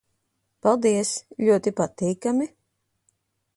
Paldies. Ļoti patīkami...